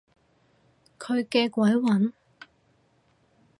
佢嘅鬼魂？